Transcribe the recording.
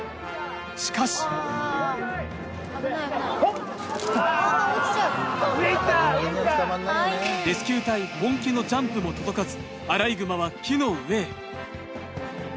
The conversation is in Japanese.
しかしレスキュー隊本気のジャンプも届かず、アライグマは木の上へ。